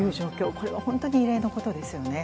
これは本当に異例のことです